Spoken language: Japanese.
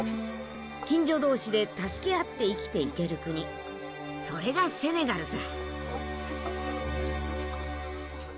近所同士で助け合って生きていける国それがセネガルさ。